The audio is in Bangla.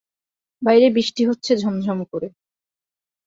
বাইরে বৃষ্টি হচ্ছে ঝমঝম করে।